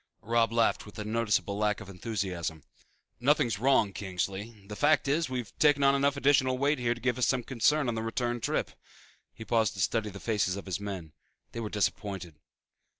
Robb laughed with a noticeable lack of enthusiasm. "Nothing is wrong, Kingsley. The fact is we've taken on enough additional weight here to give us some concern on the return trip." He paused to study the faces of his men. They were disappointed.